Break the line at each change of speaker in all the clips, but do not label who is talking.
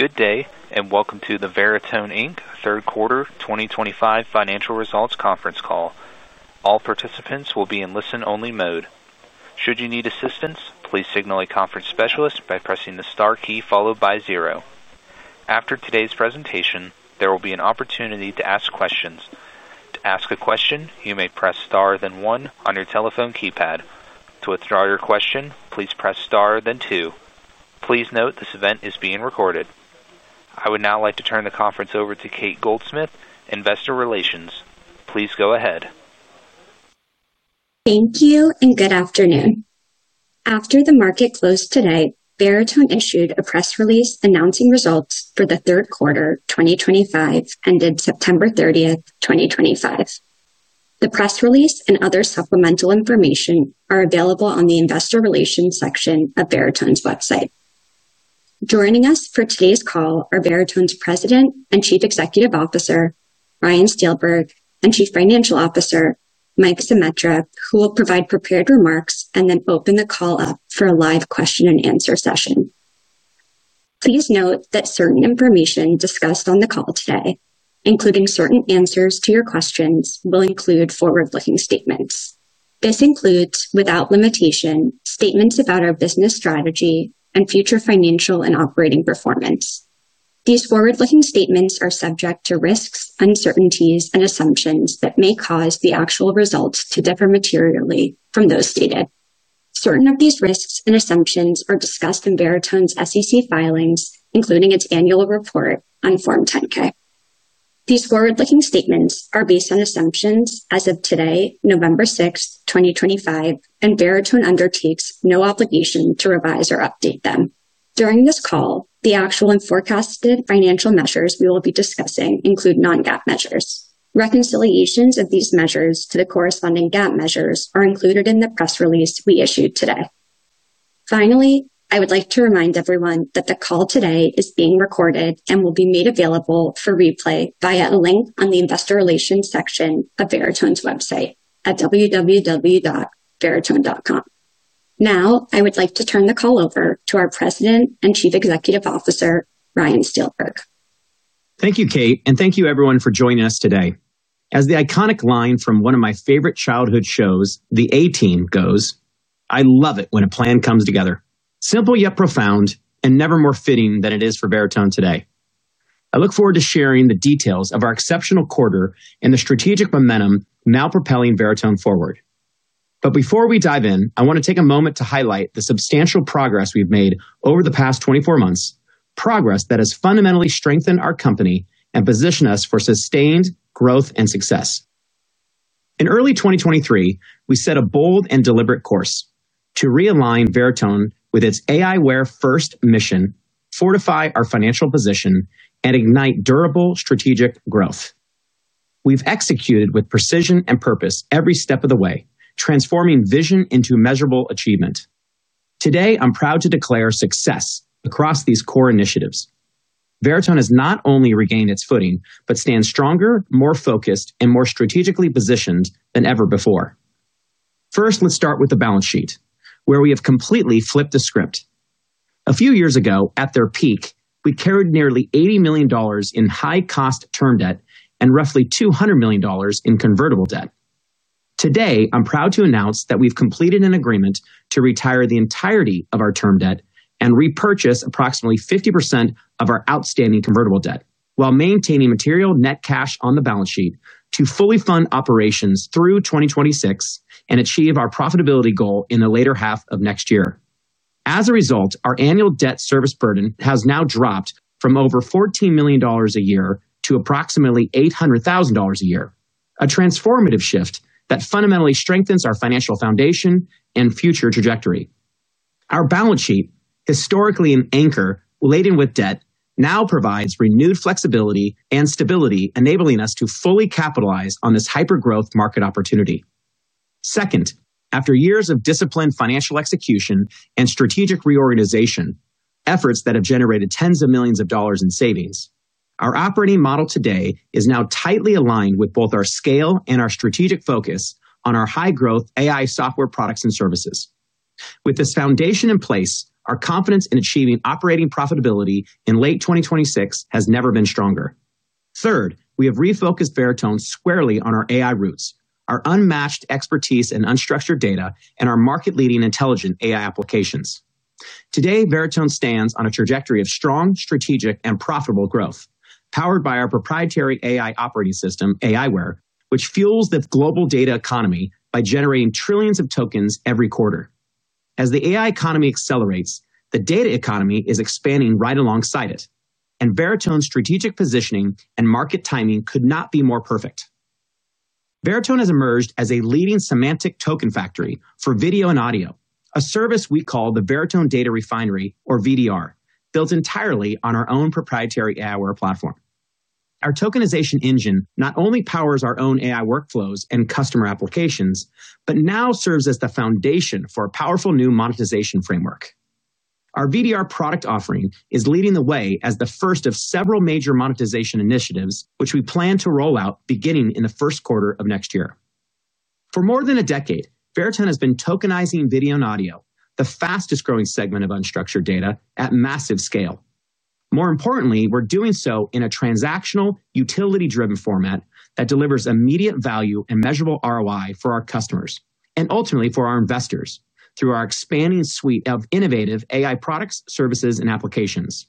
Good day, and welcome to the Veritone Inc third quarter 2025 financial results conference call. All participants will be in listen-only mode. Should you need assistance, please signal a conference specialist by pressing the star key followed by zero. After today's presentation, there will be an opportunity to ask questions. To ask a question, you may press star then one on your telephone keypad. To withdraw your question, please press star then two. Please note this event is being recorded. I would now like to turn the conference over to Cate Goldsmith, Investor Relations. Please go ahead.
Thank you, and good afternoon. After the market closed tonight, Veritone issued a press release announcing results for the third quarter 2025 ended September 30th, 2025. The press release and other supplemental information are available on the Investor Relations section of Veritone's website. Joining us for today's call are Veritone's President and Chief Executive Officer, Ryan Steelberg, and Chief Financial Officer, Mike Zemetra, who will provide prepared remarks and then open the call up for a live question-and-answer session. Please note that certain information discussed on the call today, including certain answers to your questions, will include forward-looking statements. This includes, without limitation, statements about our business strategy and future financial and operating performance. These forward-looking statements are subject to risks, uncertainties, and assumptions that may cause the actual results to differ materially from those stated. Certain of these risks and assumptions are discussed in Veritone's SEC filings, including its annual report on Form 10-K. These forward-looking statements are based on assumptions as of today, November 6th, 2025, and Veritone undertakes no obligation to revise or update them. During this call, the actual and forecasted financial measures we will be discussing include non-GAAP measures. Reconciliations of these measures to the corresponding GAAP measures are included in the press release we issued today. Finally, I would like to remind everyone that the call today is being recorded and will be made available for replay via a link on the investor relations section of Veritone's website at www.veritone.com. Now, I would like to turn the call over to our President and Chief Executive Officer, Ryan Steelberg.
Thank you, Cate, and thank you, everyone, for joining us today. As the iconic line from one of my favorite childhood shows, The A-Team, goes, "I love it when a plan comes together." Simple yet profound, and never more fitting than it is for Veritone today. I look forward to sharing the details of our exceptional quarter and the strategic momentum now propelling Veritone forward. Before we dive in, I want to take a moment to highlight the substantial progress we have made over the past 24 months, progress that has fundamentally strengthened our company and positioned us for sustained growth and success. In early 2023, we set a bold and deliberate course to realign Veritone with its aiWARE-first mission, fortify our financial position, and ignite durable strategic growth. We have executed with precision and purpose every step of the way, transforming vision into measurable achievement. Today, I'm proud to declare success across these core initiatives. Veritone has not only regained its footing but stands stronger, more focused, and more strategically positioned than ever before. First, let's start with the balance sheet, where we have completely flipped the script. A few years ago, at their peak, we carried nearly $80 million in high-cost term debt and roughly $200 million in convertible debt. Today, I'm proud to announce that we've completed an agreement to retire the entirety of our term debt and repurchase approximately 50% of our outstanding convertible debt while maintaining material net cash on the balance sheet to fully fund operations through 2026 and achieve our profitability goal in the later half of next year. As a result, our annual debt service burden has now dropped from over $14 million a year to approximately $800,000 a year, a transformative shift that fundamentally strengthens our financial foundation and future trajectory. Our balance sheet, historically an anchor laden with debt, now provides renewed flexibility and stability, enabling us to fully capitalize on this hyper-growth market opportunity. Second, after years of disciplined financial execution and strategic reorganization, efforts that have generated tens of millions of dollars in savings, our operating model today is now tightly aligned with both our scale and our strategic focus on our high-growth AI software products and services. With this foundation in place, our confidence in achieving operating profitability in late 2026 has never been stronger. Third, we have refocused Veritone squarely on our AI roots, our unmatched expertise in unstructured data, and our market-leading intelligent AI applications. Today, Veritone stands on a trajectory of strong, strategic, and profitable growth, powered by our proprietary AI operating system, aiWARE, which fuels the global data economy by generating trillions of tokens every quarter. As the AI economy accelerates, the data economy is expanding right alongside it, and Veritone's strategic positioning and market timing could not be more perfect. Veritone has emerged as a leading semantic token factory for video and audio, a service we call the Veritone Data Refinery, or VDR, built entirely on our own proprietary aiWARE platform. Our tokenization engine not only powers our own AI workflows and customer applications but now serves as the foundation for a powerful new monetization framework. Our VDR product offering is leading the way as the first of several major monetization initiatives, which we plan to roll out beginning in the first quarter of next year. For more than a decade, Veritone has been tokenizing video and audio, the fastest-growing segment of unstructured data, at massive scale. More importantly, we're doing so in a transactional, utility-driven format that delivers immediate value and measurable ROI for our customers and ultimately for our investors through our expanding suite of innovative AI products, services, and applications.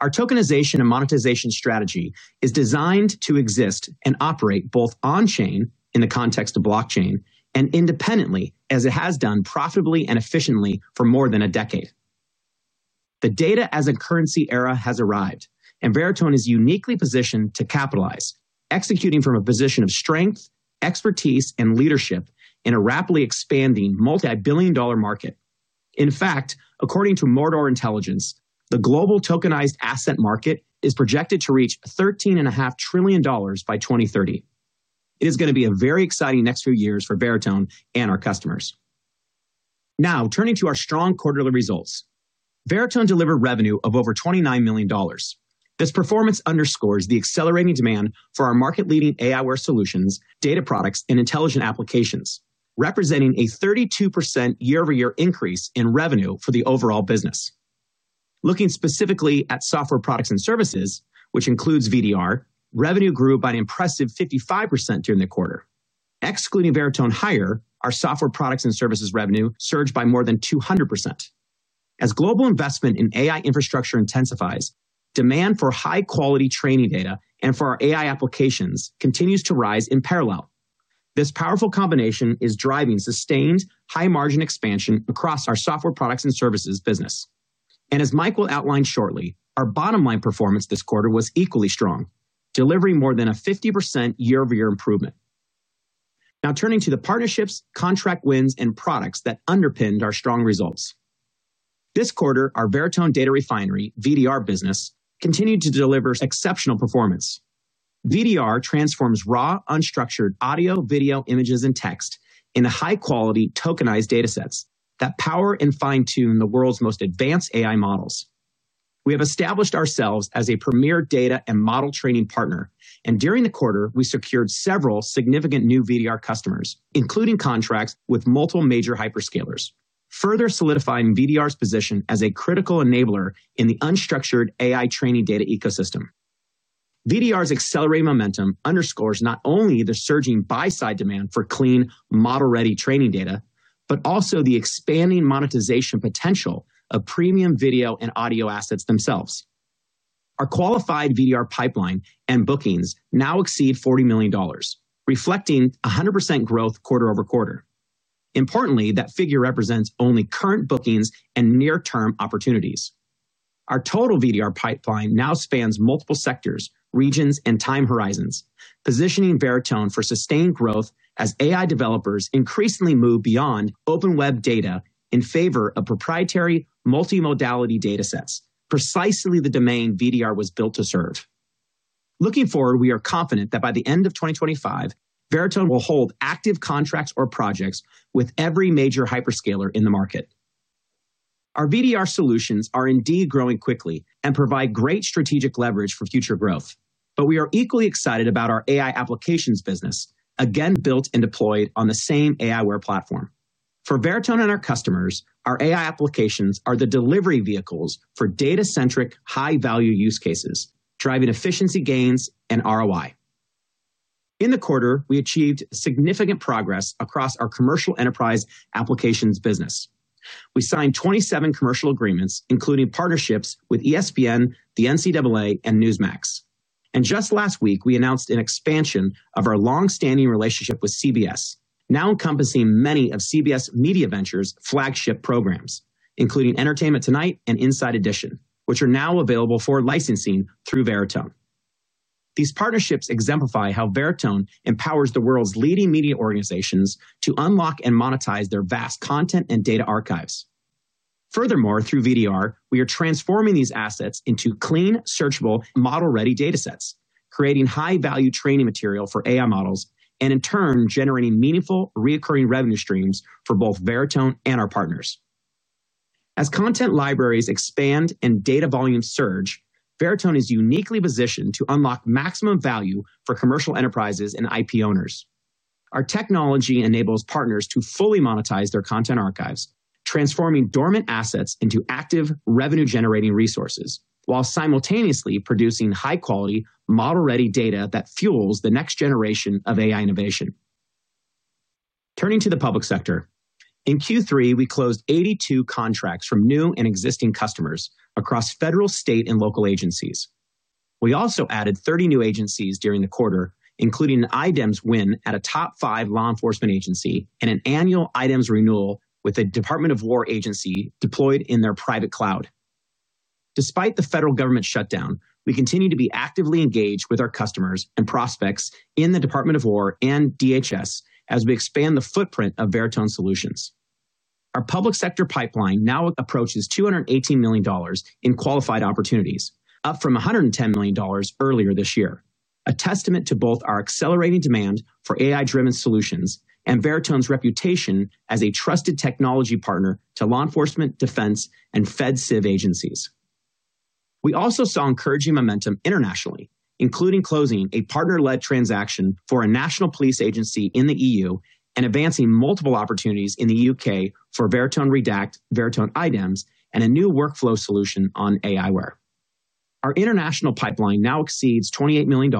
Our tokenization and monetization strategy is designed to exist and operate both on-chain in the context of blockchain and independently, as it has done profitably and efficiently for more than a decade. The data-as-a-currency era has arrived, and Veritone is uniquely positioned to capitalize, executing from a position of strength, expertise, and leadership in a rapidly expanding multi-billion-dollar market. In fact, according to Mordor Intelligence, the global tokenized asset market is projected to reach $13.5 trillion by 2030. It is going to be a very exciting next few years for Veritone and our customers. Now, turning to our strong quarterly results, Veritone delivered revenue of over $29 million. This performance underscores the accelerating demand for our market-leading aiWARE solutions, data products, and intelligent applications, representing a 32% year-over-year increase in revenue for the overall business. Looking specifically at software products and services, which includes VDR, revenue grew by an impressive 55% during the quarter. Excluding Veritone Hire, our software products and services revenue surged by more than 200%. As global investment in AI infrastructure intensifies, demand for high-quality training data and for our AI applications continues to rise in parallel. This powerful combination is driving sustained, high-margin expansion across our software products and services business. As Mike will outline shortly, our bottom-line performance this quarter was equally strong, delivering more than a 50% year-over-year improvement. Now, turning to the partnerships, contract wins, and products that underpinned our strong results. This quarter, our Veritone Data Refinery, VDR business, continued to deliver exceptional performance. VDR transforms raw, unstructured audio, video, images, and text into high-quality, tokenized data sets that power and fine-tune the world's most advanced AI models. We have established ourselves as a premier data and model training partner, and during the quarter, we secured several significant new VDR customers, including contracts with multiple major hyperscalers, further solidifying VDR's position as a critical enabler in the unstructured AI training data ecosystem. VDR's accelerated momentum underscores not only the surging buy-side demand for clean, model-ready training data but also the expanding monetization potential of premium video and audio assets themselves. Our qualified VDR pipeline and bookings now exceed $40 million, reflecting 100% growth quarter-over-quarter. Importantly, that figure represents only current bookings and near-term opportunities. Our total VDR pipeline now spans multiple sectors, regions, and time horizons, positioning Veritone for sustained growth as AI developers increasingly move beyond open web data in favor of proprietary multi-modality data sets, precisely the domain VDR was built to serve. Looking forward, we are confident that by the end of 2025, Veritone will hold active contracts or projects with every major hyperscaler in the market. Our VDR solutions are indeed growing quickly and provide great strategic leverage for future growth, but we are equally excited about our AI applications business, again built and deployed on the same aiWARE platform. For Veritone and our customers, our AI applications are the delivery vehicles for data-centric, high-value use cases, driving efficiency gains and ROI. In the quarter, we achieved significant progress across our commercial enterprise applications business. We signed 27 commercial agreements, including partnerships with ESPN, the NCAA, and Newsmax. Just last week, we announced an expansion of our longstanding relationship with CBS, now encompassing many of CBS Media Venture's flagship programs, including Entertainment Tonight and Inside Edition, which are now available for licensing through Veritone. These partnerships exemplify how Veritone empowers the world's leading media organizations to unlock and monetize their vast content and data archives. Furthermore, through VDR, we are transforming these assets into clean, searchable, model-ready data sets, creating high-value training material for AI models, and in turn, generating meaningful, recurring revenue streams for both Veritone and our partners. As content libraries expand and data volumes surge, Veritone is uniquely positioned to unlock maximum value for commercial enterprises and IP owners. Our technology enables partners to fully monetize their content archives, transforming dormant assets into active, revenue-generating resources while simultaneously producing high-quality, model-ready data that fuels the next generation of AI innovation. Turning to the public sector, in Q3, we closed 82 contracts from new and existing customers across federal, state, and local agencies. We also added 30 new agencies during the quarter, including an IDEMS win at a top five law enforcement agency and an annual IDEMS renewal with a Department of Defense agency deployed in their private cloud. Despite the federal government shutdown, we continue to be actively engaged with our customers and prospects in the Department of Defense and DHS as we expand the footprint of Veritone solutions. Our public sector pipeline now approaches $218 million in qualified opportunities, up from $110 million earlier this year, a testament to both our accelerating demand for AI-driven solutions and Veritone's reputation as a trusted technology partner to law enforcement, defense, and federal civilian agencies. We also saw encouraging momentum internationally, including closing a partner-led transaction for a national police agency in the EU and advancing multiple opportunities in the U.K. for Veritone Redact, Veritone IDEMS, and a new workflow solution on aiWARE. Our international pipeline now exceeds $28 million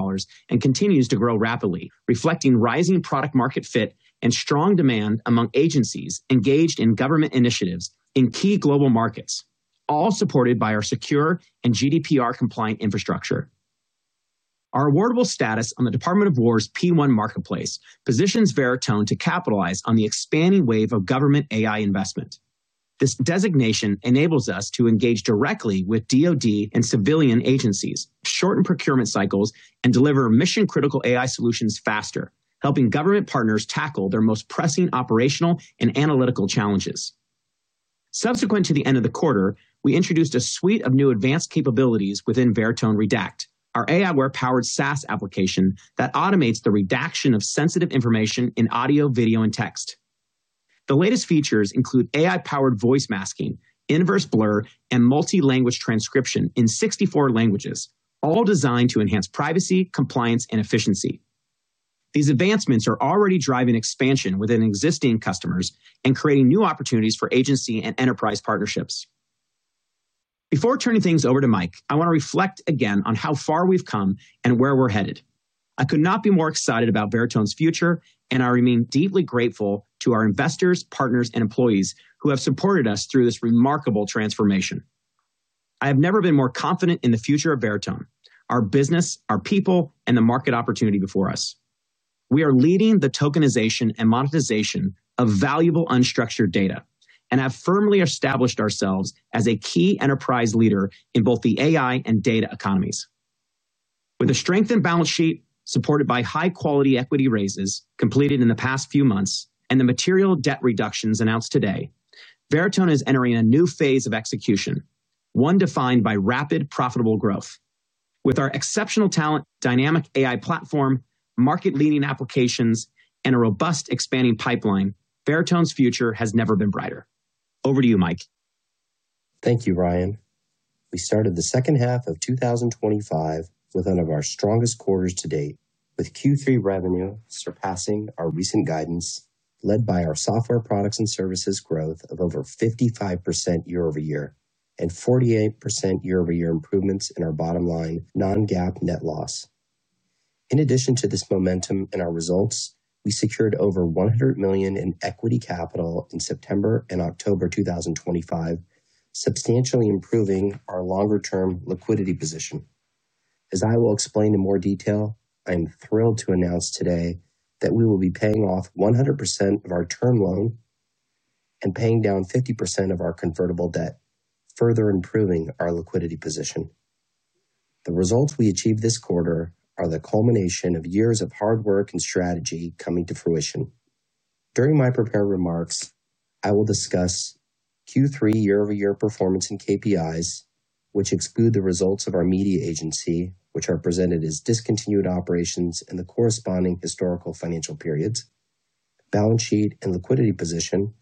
and continues to grow rapidly, reflecting rising product-market fit and strong demand among agencies engaged in government initiatives in key global markets, all supported by our secure and GDPR-compliant infrastructure. Our awardable status on the Department of Defense's P1 marketplace positions Veritone to capitalize on the expanding wave of government AI investment. This designation enables us to engage directly with DoD and civilian agencies, shorten procurement cycles, and deliver mission-critical AI solutions faster, helping government partners tackle their most pressing operational and analytical challenges. Subsequent to the end of the quarter, we introduced a suite of new advanced capabilities within Veritone Redact, our aiWARE-powered SaaS application that automates the redaction of sensitive information in audio, video, and text. The latest features include AI-powered voice masking, inverse blur, and multi-language transcription in 64 languages, all designed to enhance privacy, compliance, and efficiency. These advancements are already driving expansion within existing customers and creating new opportunities for agency and enterprise partnerships. Before turning things over to Mike, I want to reflect again on how far we've come and where we're headed. I could not be more excited about Veritone's future, and I remain deeply grateful to our investors, partners, and employees who have supported us through this remarkable transformation. I have never been more confident in the future of Veritone, our business, our people, and the market opportunity before us. We are leading the tokenization and monetization of valuable unstructured data and have firmly established ourselves as a key enterprise leader in both the AI and data economies. With a strengthened balance sheet supported by high-quality equity raises completed in the past few months and the material debt reductions announced today, Veritone is entering a new phase of execution, one defined by rapid, profitable growth. With our exceptional talent, dynamic AI platform, market-leading applications, and a robust expanding pipeline, Veritone's future has never been brighter. Over to you, Mike.
Thank you, Ryan. We started the second half of 2025 with one of our strongest quarters to date, with Q3 revenue surpassing our recent guidance, led by our software products and services growth of over 55% year-over-year and 48% year-over-year improvements in our bottom-line non-GAAP net loss. In addition to this momentum and our results, we secured over $100 million in equity capital in September and October 2025, substantially improving our longer-term liquidity position. As I will explain in more detail, I am thrilled to announce today that we will be paying off 100% of our term loan. We are also paying down 50% of our convertible debt, further improving our liquidity position. The results we achieved this quarter are the culmination of years of hard work and strategy coming to fruition. During my prepared remarks, I will discuss Q3 year-over-year performance and KPIs, which exclude the results of our media agency, which are presented as discontinued operations in the corresponding historical financial periods, balance sheet and liquidity position,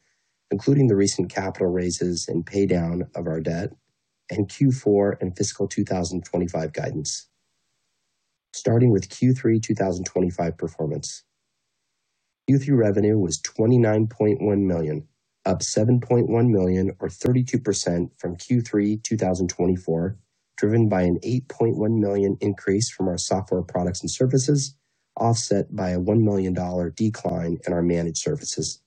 including the recent capital raises and paydown of our debt, and Q4 and fiscal 2025 guidance. Starting with Q3 2025 performance. Q3 revenue was $29.1 million, up $7.1 million, or 32% from Q3 2024, driven by an $8.1 million increase from our software products and services, offset by a $1 million decline in our managed services.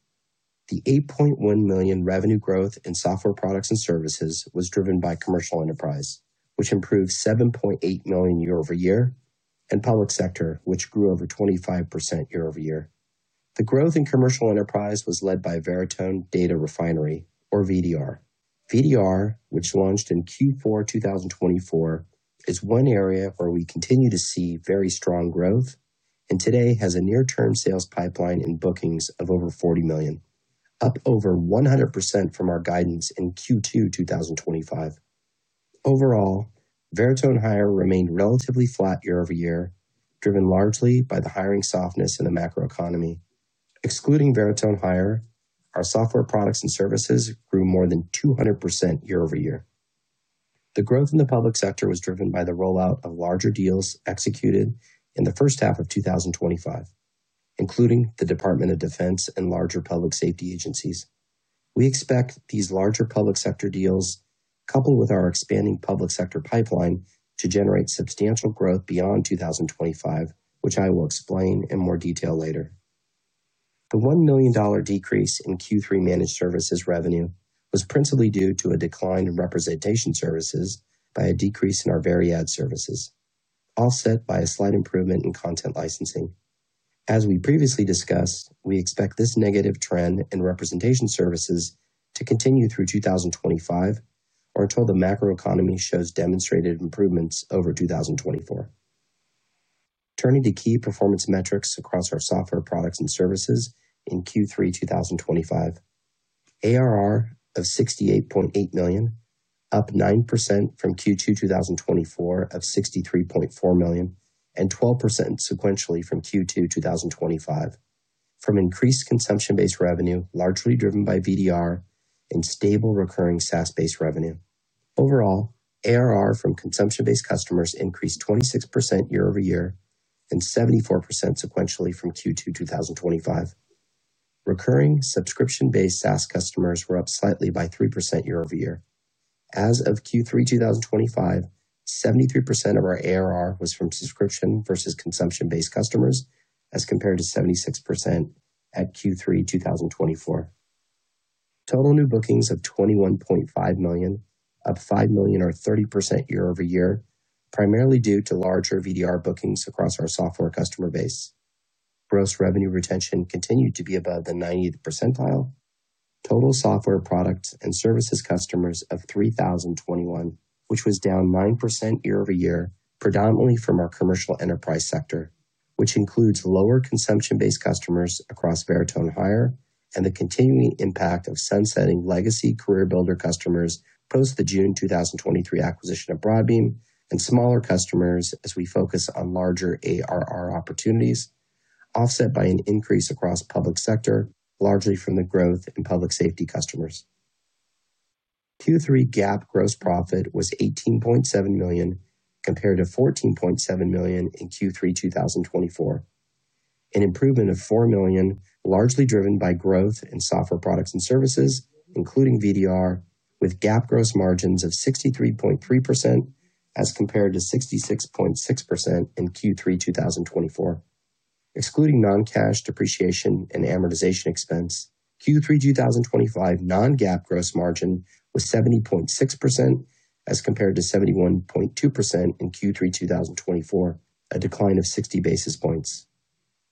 The $8.1 million revenue growth in software products and services was driven by commercial enterprise, which improved $7.8 million year-over-year, and public sector, which grew over 25% year-over-year. The growth in commercial enterprise was led by Veritone Data Refinery, or VDR. VDR, which launched in Q4 2024, is one area where we continue to see very strong growth and today has a near-term sales pipeline and bookings of over $40 million, up over 100% from our guidance in Q2 2025. Overall, Veritone Hire remained relatively flat year-over-year, driven largely by the hiring softness in the macro economy. Excluding Veritone Hire, our software products and services grew more than 200% year-over-year. The growth in the public sector was driven by the rollout of larger deals executed in the first half of 2025, including the Department of Defense and larger public safety agencies. We expect these larger public sector deals, coupled with our expanding public sector pipeline, to generate substantial growth beyond 2025, which I will explain in more detail later. The $1 million decrease in Q3 managed services revenue was principally due to a decline in representation services by a decrease in our Variad services, offset by a slight improvement in content licensing. As we previously discussed, we expect this negative trend in representation services to continue through 2025, or until the macro economy shows demonstrated improvements over 2024. Turning to key performance metrics across our software products and services in Q3 2025. ARR of $68.8 million, up 9% from Q2 2024 of $63.4 million, and 12% sequentially from Q2 2025, from increased consumption-based revenue, largely driven by VDR and stable recurring SaaS-based revenue. Overall, ARR from consumption-based customers increased 26% year-over-year and 74% sequentially from Q2 2025. Recurring subscription-based SaaS customers were up slightly by 3% year-over-year. As of Q3 2025, 73% of our ARR was from subscription versus consumption-based customers, as compared to 76% at Q3 2024. Total new bookings of $21.5 million, up $5 million or 30% year-over-year, primarily due to larger VDR bookings across our software customer base. Gross revenue retention continued to be above the 90th percentile, total software products and services customers of 3,021, which was down 9% year-over-year, predominantly from our commercial enterprise sector, which includes lower consumption-based customers across Veritone Hire and the continuing impact of sunsetting legacy Career Builder customers post the June 2023 acquisition of Broadbean and smaller customers as we focus on larger ARR opportunities, offset by an increase across public sector, largely from the growth in public safety customers. Q3 GAAP gross profit was $18.7 million, compared to $14.7 million in Q3 2024. An improvement of $4 million, largely driven by growth in software products and services, including VDR, with GAAP gross margins of 63.3% as compared to 66.6% in Q3 2024. Excluding non-cash depreciation and amortization expense, Q3 2025 non-GAAP gross margin was 70.6% as compared to 71.2% in Q3 2024, a decline of 60 basis points.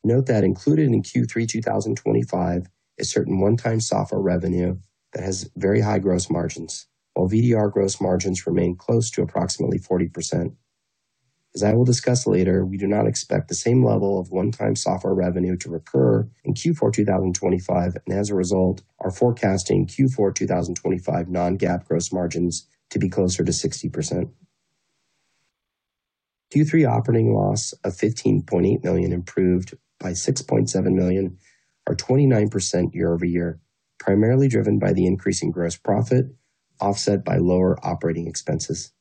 Note that included in Q3 2025 is certain one-time software revenue that has very high gross margins, while VDR gross margins remain close to approximately 40%. As I will discuss later, we do not expect the same level of one-time software revenue to recur in Q4 2025, and as a result, our forecasting Q4 2025 non-GAAP gross margins to be closer to 60%. Q3 operating loss of $15.8 million improved by $6.7 million, or 29% year-over-year, primarily driven by the increase in gross profit, offset by lower operating expenses.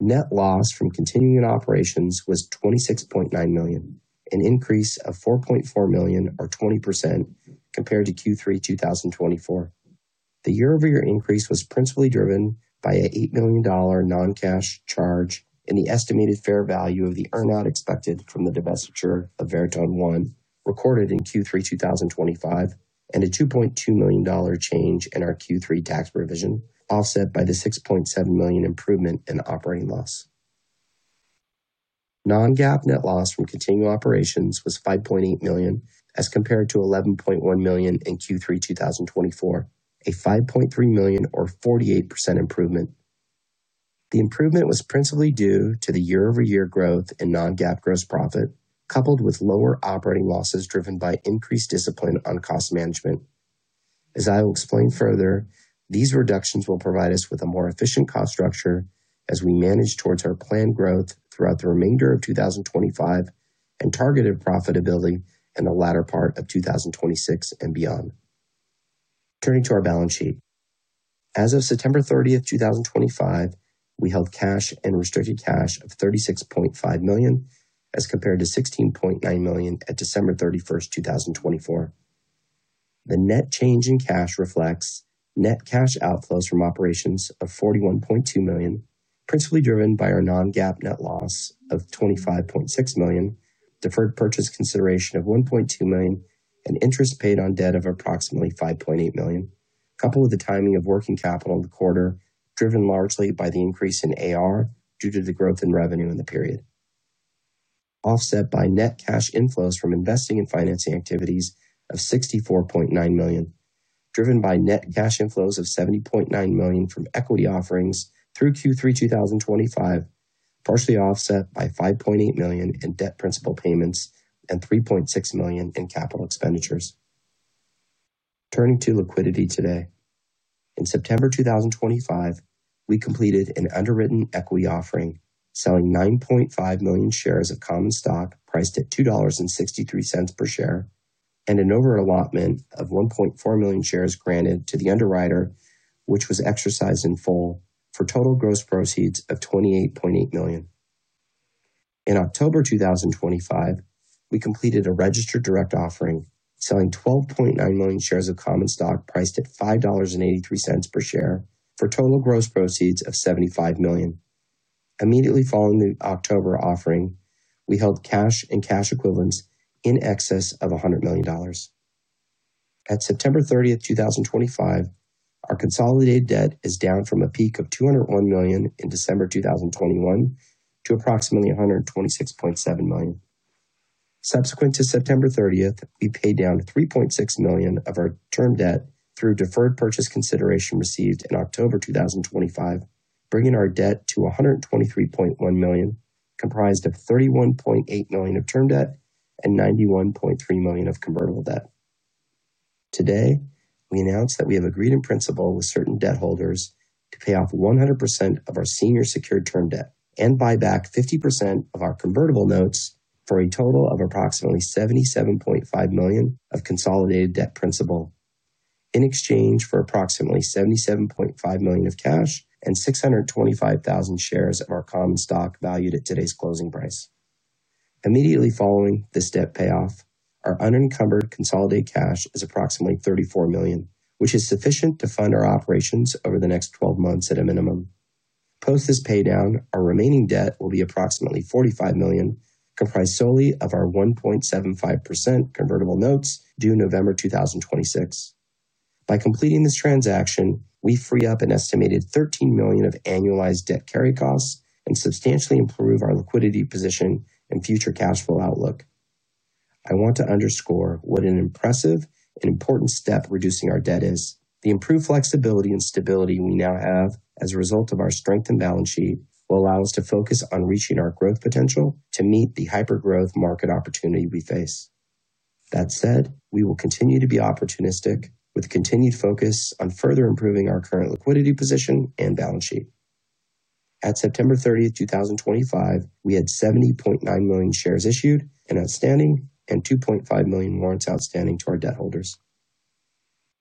Net loss from continuing operations was $26.9 million, an increase of $4.4 million, or 20%, compared to Q3 2024. The year-over-year increase was principally driven by a $8 million non-cash charge in the estimated fair value of the earn-out expected from the divestiture of Veritone One, recorded in Q3 2025, and a $2.2 million change in our Q3 tax provision, offset by the $6.7 million improvement in operating loss. Non-GAAP net loss from continuing operations was $5.8 million, as compared to $11.1 million in Q3 2024, a $5.3 million, or 48% improvement. The improvement was principally due to the year-over-year growth in non-GAAP gross profit, coupled with lower operating losses driven by increased discipline on cost management. As I will explain further, these reductions will provide us with a more efficient cost structure as we manage towards our planned growth throughout the remainder of 2025 and targeted profitability in the latter part of 2026 and beyond. Turning to our balance sheet. As of September 30th, 2025, we held cash and restricted cash of $36.5 million, as compared to $16.9 million at December 31st, 2024. The net change in cash reflects net cash outflows from operations of $41.2 million, principally driven by our non-GAAP net loss of $25.6 million, deferred purchase consideration of $1.2 million, and interest paid on debt of approximately $5.8 million, coupled with the timing of working capital in the quarter, driven largely by the increase in AR due to the growth in revenue in the period. Offset by net cash inflows from investing and financing activities of $64.9 million, driven by net cash inflows of $70.9 million from equity offerings through Q3 2025, partially offset by $5.8 million in debt principal payments and $3.6 million in capital expenditures. Turning to liquidity today. In September 2025, we completed an underwritten equity offering, selling 9.5 million shares of common stock priced at $2.63 per share and an overall allotment of 1.4 million shares granted to the underwriter, which was exercised in full, for total gross proceeds of $28.8 million. In October 2025, we completed a registered direct offering, selling 12.9 million shares of common stock priced at $5.83 per share for total gross proceeds of $75 million. Immediately following the October offering, we held cash and cash equivalents in excess of $100 million. At September 30, 2025, our consolidated debt is down from a peak of $201 million in December 2021 to approximately $126.7 million. Subsequent to September 30th, we paid down $3.6 million of our term debt through deferred purchase consideration received in October 2025, bringing our debt to $123.1 million, comprised of $31.8 million of term debt and $91.3 million of convertible debt. Today, we announce that we have agreed in principle with certain debt holders to pay off 100% of our senior secured term debt and buy back 50% of our convertible notes for a total of approximately $77.5 million of consolidated debt principal. In exchange for approximately $77.5 million of cash and 625,000 shares of our common stock valued at today's closing price. Immediately following this debt payoff, our unencumbered consolidated cash is approximately $34 million, which is sufficient to fund our operations over the next 12 months at a minimum. Post this paydown, our remaining debt will be approximately $45 million, comprised solely of our 1.75% convertible notes due November 2026. By completing this transaction, we free up an estimated $13 million of annualized debt carry costs and substantially improve our liquidity position and future cash flow outlook. I want to underscore what an impressive and important step reducing our debt is. The improved flexibility and stability we now have as a result of our strengthened balance sheet will allow us to focus on reaching our growth potential to meet the hyper-growth market opportunity we face. That said, we will continue to be opportunistic, with continued focus on further improving our current liquidity position and balance sheet. At September 30th, 2025, we had 70.9 million shares issued and outstanding and 2.5 million warrants outstanding to our debt holders.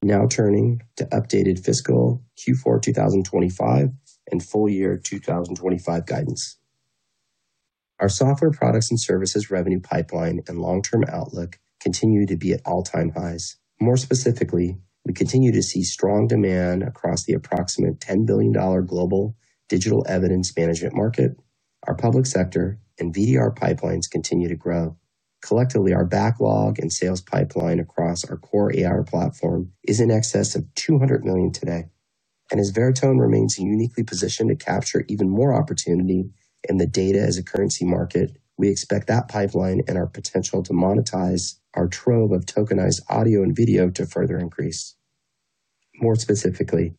Now turning to updated fiscal Q4 2025 and full year 2025 guidance. Our software products and services revenue pipeline and long-term outlook continue to be at all-time highs. More specifically, we continue to see strong demand across the approximate $10 billion global digital evidence management market. Our public sector and VDR pipelines continue to grow. Collectively, our backlog and sales pipeline across our core AR platform is in excess of $200 million today. As Veritone remains uniquely positioned to capture even more opportunity in the data as a currency market, we expect that pipeline and our potential to monetize our trove of tokenized audio and video to further increase. More specifically,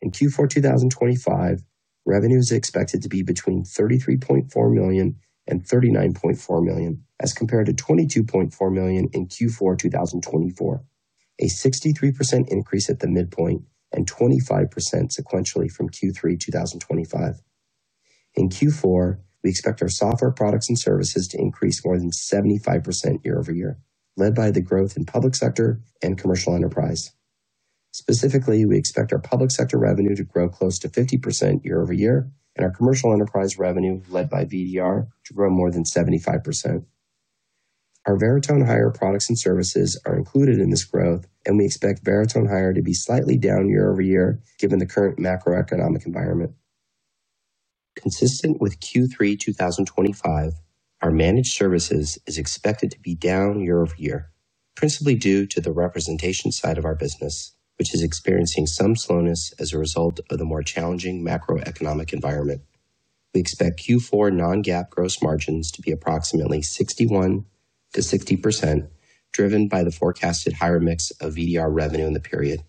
in Q4 2025, revenue is expected to be between $33.4 million and $39.4 million, as compared to $22.4 million in Q4 2024, a 63% increase at the midpoint and 25% sequentially from Q3 2025. In Q4, we expect our software products and services to increase more than 75% year-over-year, led by the growth in public sector and commercial enterprise. Specifically, we expect our public sector revenue to grow close to 50% year-over-year and our commercial enterprise revenue, led by VDR, to grow more than 75%. Our Veritone Hire products and services are included in this growth, and we expect Veritone Hire to be slightly down year-over-year, given the current macroeconomic environment. Consistent with Q3 2025, our managed services is expected to be down year-over-year, principally due to the representation side of our business, which is experiencing some slowness as a result of the more challenging macroeconomic environment. We expect Q4 non-GAAP gross margins to be approximately 61%-60%, driven by the forecasted higher mix of VDR revenue in the period.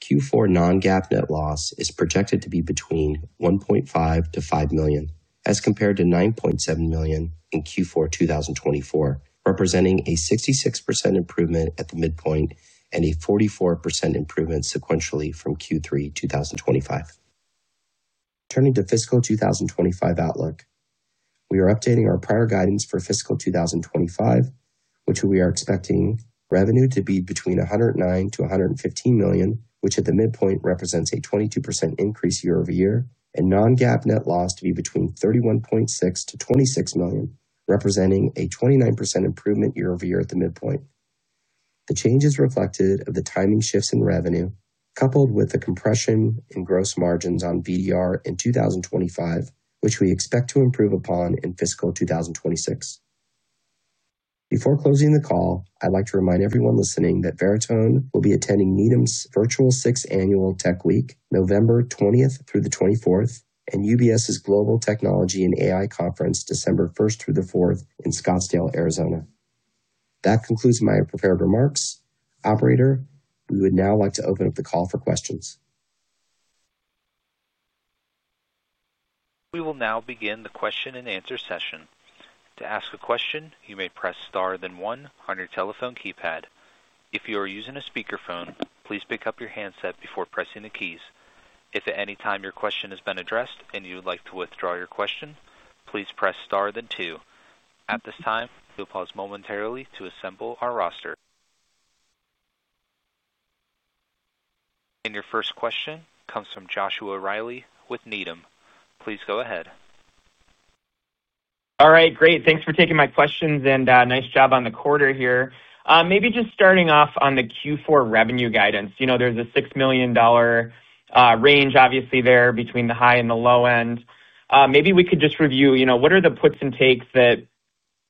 Q4 non-GAAP net loss is projected to be between $1.5 million-$5 million, as compared to $9.7 million in Q4 2024, representing a 66% improvement at the midpoint and a 44% improvement sequentially from Q3 2025. Turning to fiscal 2025 outlook, we are updating our prior guidance for fiscal 2025, which we are expecting revenue to be between $109 million-$115 million, which at the midpoint represents a 22% increase year-over-year, and non-GAAP net loss to be between $31.6 million-$26 million, representing a 29% improvement year-over-year at the midpoint. The changes reflected are the timing shifts in revenue, coupled with the compression in gross margins on VDR in 2025, which we expect to improve upon in fiscal 2026. Before closing the call, I'd like to remind everyone listening that Veritone will be attending Needham's virtual 6th Annual Tech Week, November 20th through the 24th, and UBS's Global Technology and AI Conference, December 1st through the 4th, in Scottsdale, Arizona. That concludes my prepared remarks. Operator, we would now like to open up the call for questions.
We will now begin the question-and-answer session. To ask a question, you may press star then one on your telephone keypad. If you are using a speakerphone, please pick up your handset before pressing the keys. If at any time your question has been addressed and you would like to withdraw your question, please press star then two. At this time, we'll pause momentarily to assemble our roster. Your first question comes from Joshua Riley with Needham. Please go ahead.
All right. Great. Thanks for taking my questions and nice job on the quarter here. Maybe just starting off on the Q4 revenue guidance. There is a $6 million range, obviously, there between the high and the low end. Maybe we could just review what are the puts and takes that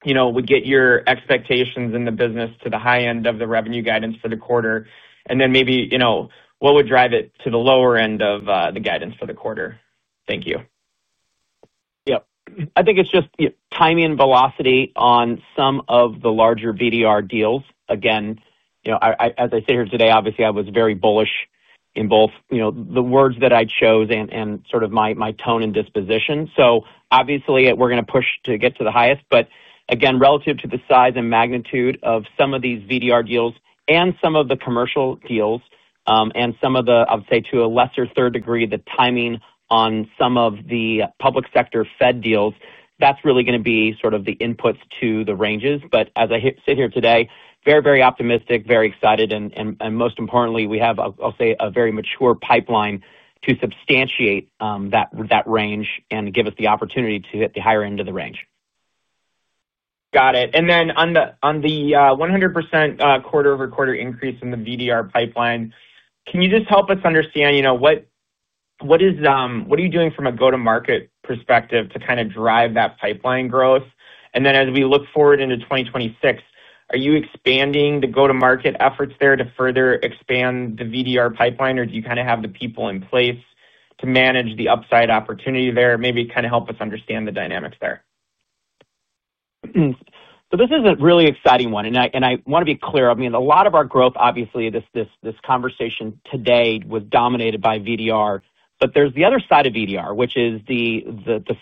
would get your expectations in the business to the high end of the revenue guidance for the quarter? What would drive it to the lower end of the guidance for the quarter? Thank you. Yep. I think it is just timing and velocity on some of the larger VDR deals. Again, as I sit here today, obviously, I was very bullish in both the words that I chose and sort of my tone and disposition. Obviously, we are going to push to get to the highest. Again, relative to the size and magnitude of some of these VDR deals and some of the commercial deals and, I would say, to a lesser third degree, the timing on some of the public sector Fed deals, that is really going to be sort of the inputs to the ranges. As I sit here today, very, very optimistic, very excited, and most importantly, we have, I'll say, a very mature pipeline to substantiate that range and give us the opportunity to hit the higher end of the range. Got it. On the 100% quarter-over-quarter increase in the VDR pipeline, can you just help us understand what you are doing from a go-to-market perspective to kind of drive that pipeline growth? As we look forward into 2026, are you expanding the go-to-market efforts there to further expand the VDR pipeline, or do you kind of have the people in place to manage the upside opportunity there, maybe kind of help us understand the dynamics there?
This is a really exciting one. I want to be clear. I mean, a lot of our growth, obviously, this conversation today was dominated by VDR. There is the other side of VDR, which is the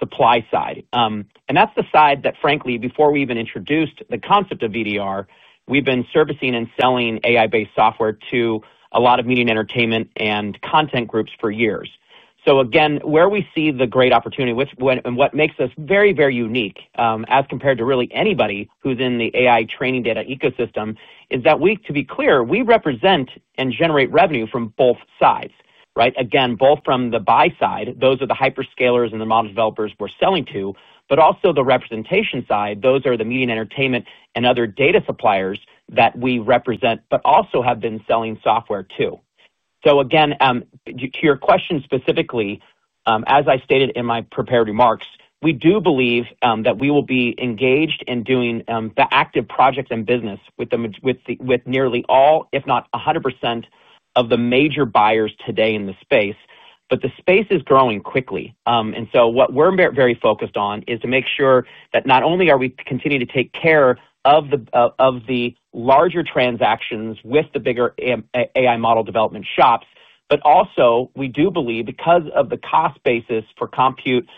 supply side. That is the side that, frankly, before we even introduced the concept of VDR, we have been servicing and selling AI-based software to a lot of media and entertainment and content groups for years. Again, where we see the great opportunity and what makes us very, very unique as compared to really anybody who's in the AI training data ecosystem is that we, to be clear, we represent and generate revenue from both sides, right? Again, both from the buy side, those are the hyperscalers and the model developers we're selling to. Also the representation side, those are the media and entertainment and other data suppliers that we represent, but also have been selling software to. Again, to your question specifically, as I stated in my prepared remarks, we do believe that we will be engaged in doing the active project and business with nearly all, if not 100%, of the major buyers today in the space. The space is growing quickly. What we're very focused on is to make sure that not only are we continuing to take care of the larger transactions with the bigger AI model development shops, but also we do believe because of the cost basis for compute,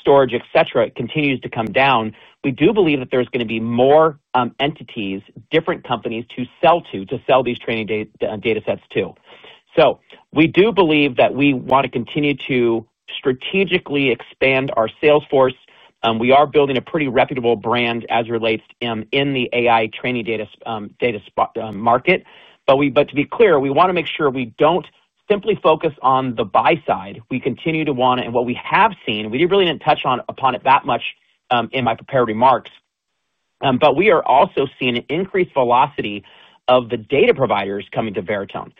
storage, etc., it continues to come down. We do believe that there's going to be more entities, different companies to sell to, to sell these training data sets to. We do believe that we want to continue to strategically expand our sales force. We are building a pretty reputable brand as it relates in the AI training data market. To be clear, we want to make sure we do not simply focus on the buy side. We continue to want to, and what we have seen, we really did not touch upon it that much in my prepared remarks. We are also seeing an increased velocity of the data providers coming to Veritone.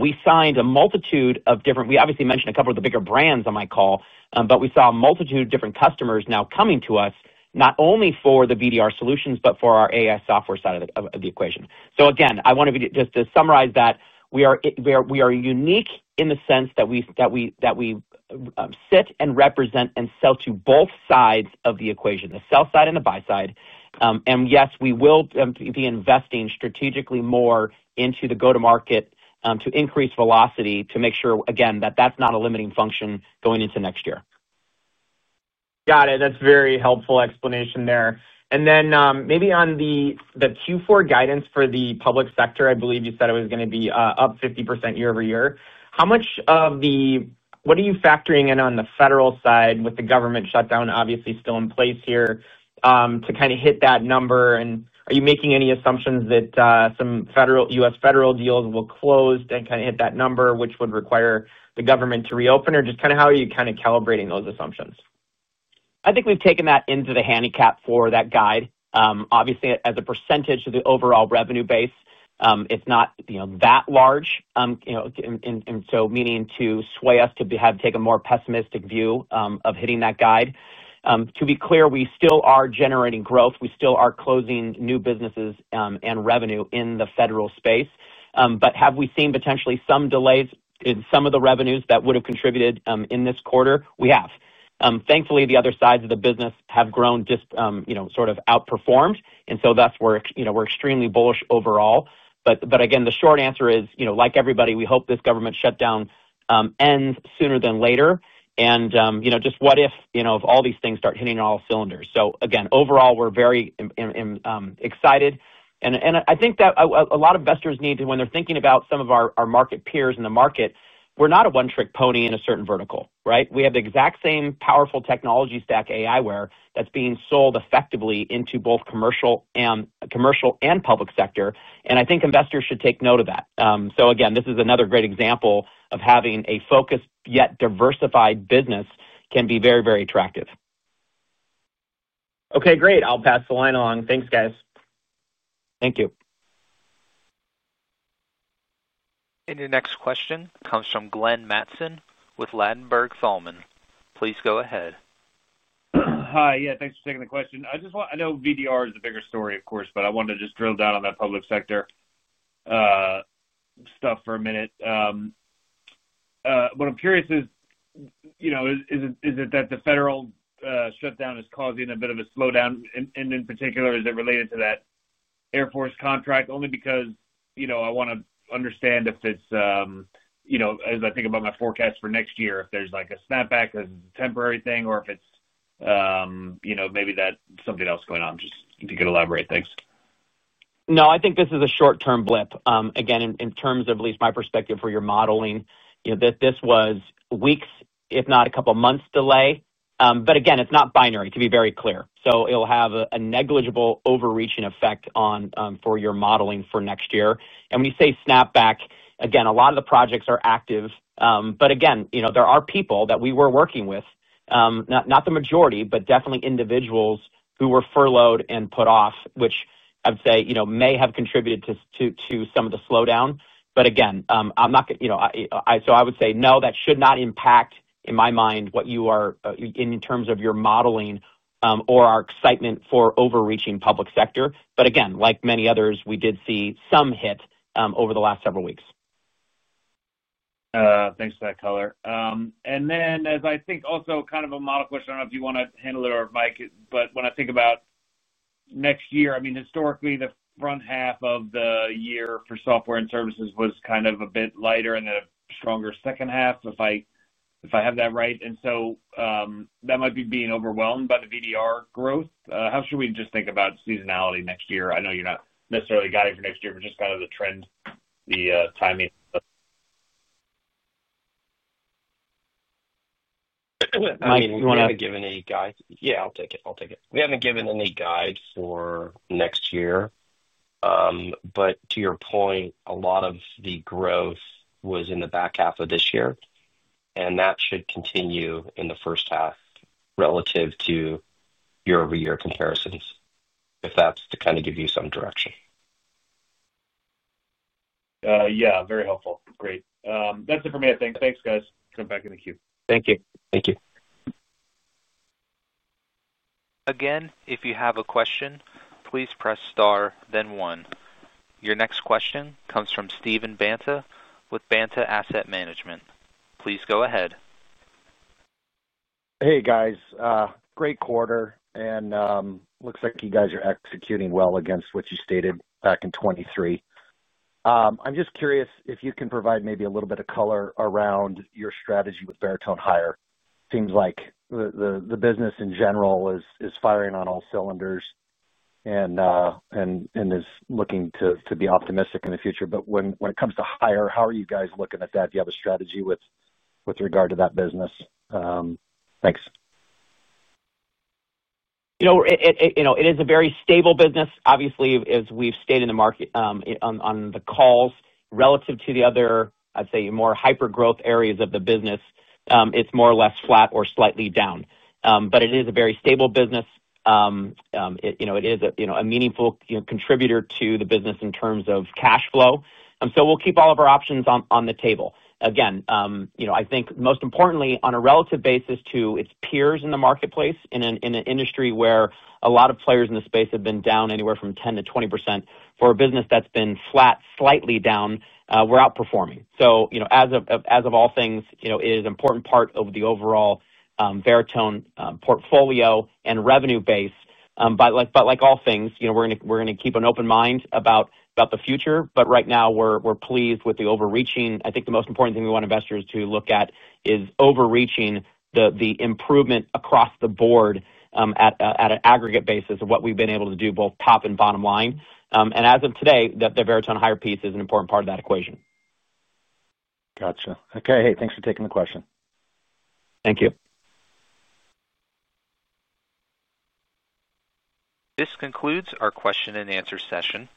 We signed a multitude of different—we obviously mentioned a couple of the bigger brands on my call—but we saw a multitude of different customers now coming to us, not only for the VDR solutions, but for our AI software side of the equation. Again, I want to just summarize that we are unique in the sense that we sit and represent and sell to both sides of the equation, the sell side and the buy side. Yes, we will be investing strategically more into the go-to-market to increase velocity to make sure, again, that that's not a limiting function going into next year.
Got it. That's a very helpful explanation there. Maybe on the Q4 guidance for the public sector, I believe you said it was going to be up 50% year-over-year. How much of the—what are you factoring in on the federal side with the government shutdown, obviously, still in place here to kind of hit that number? Are you making any assumptions that some U.S. federal deals will close and kind of hit that number, which would require the government to reopen? Just kind of how are you calibrating those assumptions?
I think we've taken that into the handicap for that guide. Obviously, as a percentage of the overall revenue base, it's not that large. Meaning to sway us to have taken a more pessimistic view of hitting that guide. To be clear, we still are generating growth. We still are closing new businesses and revenue in the federal space. Have we seen potentially some delays in some of the revenues that would have contributed in this quarter? We have. Thankfully, the other sides of the business have grown, just sort of outperformed. That is where we are extremely bullish overall. Again, the short answer is, like everybody, we hope this government shutdown ends sooner than later. Just what if all these things start hitting all cylinders? Again, overall, we are very excited. I think that a lot of investors need to, when they are thinking about some of our market peers in the market, we are not a one-trick pony in a certain vertical, right? We have the exact same powerful technology stack, aiWARE, that is being sold effectively into both commercial and public sector. I think investors should take note of that. Again, this is another great example of having a focused yet diversified business can be very, very attractive.
Okay. Great. I'll pass the line along. Thanks, guys.
Thank you.
Your next question comes from Glenn Mattson with Ladenburg Thalmann. Please go ahead.
Hi. Yeah. Thanks for taking the question. I know VDR is the bigger story, of course, but I wanted to just drill down on that public sector stuff for a minute. What I'm curious is, is it that the federal shutdown is causing a bit of a slowdown? In particular, is it related to that Air Force contract? Only because I want to understand if it's—as I think about my forecast for next year, if there's a snapback, a temporary thing, or if it's maybe that something else going on. Just if you could elaborate. Thanks.
No, I think this is a short-term blip. Again, in terms of at least my perspective for your modeling, this was weeks, if not a couple of months' delay. Again, it is not binary. To be very clear, it will have a negligible overreaching effect for your modeling for next year. When you say snapback, a lot of the projects are active. There are people that we were working with, not the majority, but definitely individuals who were furloughed and put off, which I would say may have contributed to some of the slowdown. I am not— I would say, no, that should not impact, in my mind, what you are in terms of your modeling or our excitement for overreaching public sector. Like many others, we did see some hit over the last several weeks.
Thanks for that, Coller. As I think also kind of a model question, I do not know if you want to handle it or Mike, but when I think about next year, I mean, historically, the front half of the year for software and services was kind of a bit lighter and a stronger second half, if I have that right. That might be being overwhelmed by the VDR growth. How should we just think about seasonality next year? I know you are not necessarily guiding for next year, but just kind of the trend, the timing.
Mike, you want to give any guide?
Yeah, I will take it. I will take it. We have not given any guides for next year. To your point, a lot of the growth was in the back half of this year. That should continue in the first half relative to. Year-over-year comparisons, if that is to kind of give you some direction.
Yeah. Very helpful. Great. That is it for me, I think. Thanks, guys. Come back in the queue.
Thank you.
Thank you.
Again, if you have a question, please press star, then one. Your next question comes from Stephen Banta with Banta Asset Management. Please go ahead.
Hey, guys. Great quarter. And looks like you guys are executing well against what you stated back in 2023. I am just curious if you can provide maybe a little bit of color around your strategy with Veritone Hire. Seems like the business, in general, is firing on all cylinders and is looking to be optimistic in the future. But when it comes to Hire, how are you guys looking at that? Do you have a strategy with regard to that business? Thanks.
It is a very stable business. Obviously, as we've stayed in the market. On the calls relative to the other, I'd say, more hyper-growth areas of the business. It's more or less flat or slightly down. It is a very stable business. It is a meaningful contributor to the business in terms of cash flow. We'll keep all of our options on the table. Again, I think most importantly, on a relative basis to its peers in the marketplace in an industry where a lot of players in the space have been down anywhere from 10%-20% for a business that's been flat, slightly down, we're outperforming. As of all things, it is an important part of the overall Veritone portfolio and revenue base. Like all things, we're going to keep an open mind about the future. Right now, we're pleased with the overreaching. I think the most important thing we want investors to look at is overreaching the improvement across the board at an aggregate basis of what we've been able to do, both top and bottom line. As of today, the Veritone Hire piece is an important part of that equation.
Gotcha. Okay. Hey, thanks for taking the question.
Thank you.
This concludes our question and answer session.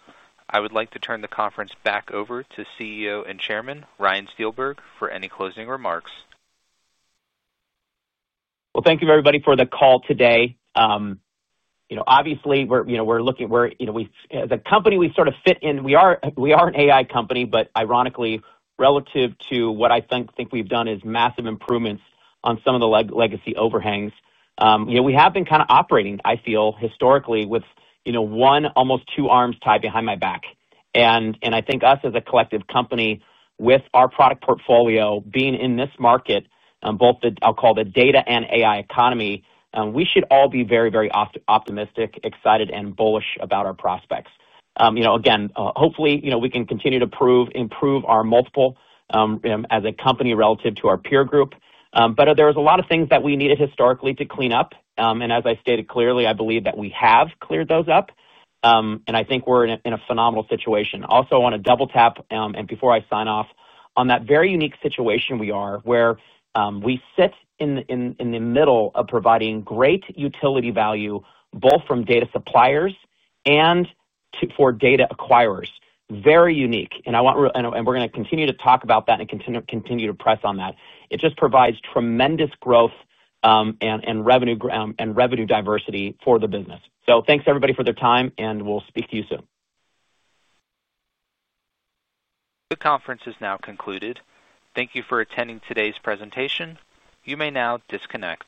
I would like to turn the conference back over to CEO and Chairman Ryan Steelberg for any closing remarks.
Thank you, everybody, for the call today. Obviously, we're looking at where as a company, we sort of fit in. We are an AI company, but ironically, relative to what I think we've done is massive improvements on some of the legacy overhangs. We have been kind of operating, I feel, historically with one, almost two arms tied behind my back. I think us as a collective company, with our product portfolio being in this market, both the, I'll call it, data and AI economy, we should all be very, very optimistic, excited, and bullish about our prospects. Again, hopefully, we can continue to improve our multiple as a company relative to our peer group. There were a lot of things that we needed historically to clean up. As I stated clearly, I believe that we have cleared those up. I think we're in a phenomenal situation. Also, I want to double-tap, and before I sign off, on that very unique situation we are where we sit in the middle of providing great utility value, both from data suppliers and for data acquirers. Very unique. We're going to continue to talk about that and continue to press on that. It just provides tremendous growth. Revenue diversity for the business. Thanks, everybody, for their time, and we'll speak to you soon.
The conference is now concluded. Thank you for attending today's presentation. You may now disconnect.